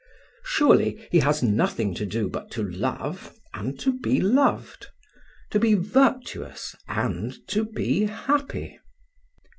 Surely he has nothing to do but to love and to be loved; to be virtuous and to be happy."